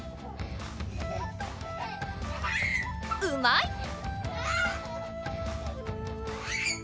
うまい！